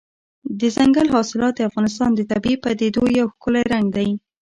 دځنګل حاصلات د افغانستان د طبیعي پدیدو یو ښکلی رنګ دی.